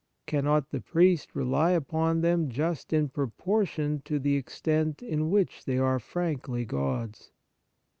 Cannot the priest rely upon them just in proportion to the extent in which they are frankly God's